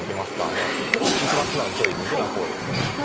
じゃあ一番素直に取りにいくのはこうです。